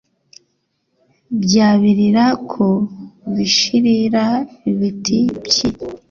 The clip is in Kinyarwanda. Byabirira ku bishirira biti pyi